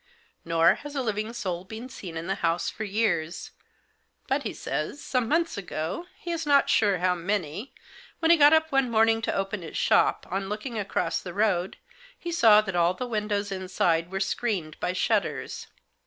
Nor has a living soul been seen in the house for years. But, he says, some months ago, he is not sure how many, when he got up one morning to open his shop, on looking across the road he saw that all the windows inside were screened by shutters.